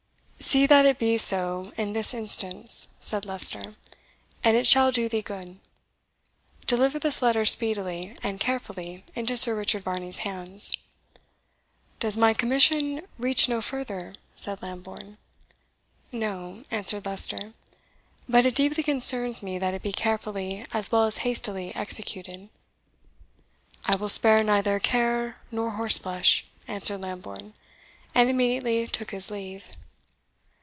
"See that it be so in this instance," said Leicester, "and it shall do thee good. Deliver this letter speedily and carefully into Sir Richard Varney's hands." "Does my commission reach no further?" said Lambourne. "No," answered Leicester; "but it deeply concerns me that it be carefully as well as hastily executed." "I will spare neither care nor horse flesh," answered Lambourne, and immediately took his leave.